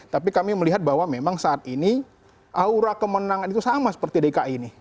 tapi kami melihat bahwa memang saat ini aura kemenangan itu sama seperti dki ini